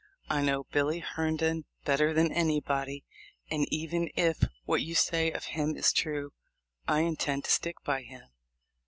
I know Billy Herndon better than anybody, and even if what you say of him is true I intend to stick by him."